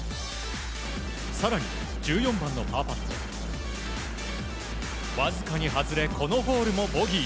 更に、１４番のパーパットわずかに外れこのホールもボギー。